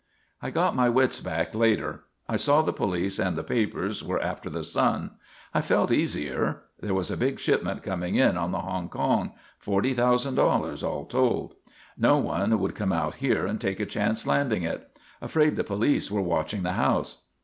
"I got my wits back later. I saw the police and the papers were after the son. I felt easier. There was a big shipment coming in on the Hongkong $40,000 all told. No one would come out here and take a chance landing it. Afraid the police were watching the house.